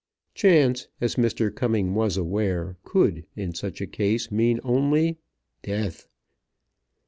Chance, as Mr. Cumming was aware, could in such a case mean only death.